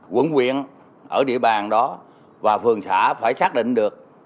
quận quyện ở địa bàn đó và phường xã phải xác định được